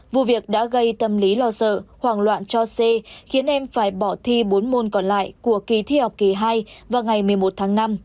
vụ việc đã gây tâm lý lo sợ hoảng loạn cho c khiến em phải bỏ thi bốn môn còn lại của kỳ thi học kỳ hai vào ngày một mươi một tháng năm